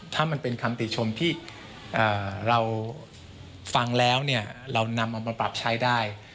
ถ้ามันเป็นคำติชมที่เราฟังแล้วเนี่ยเรานำเอามาปรับใช้ได้